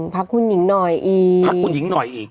พักคุณหญิงหน่อยอีก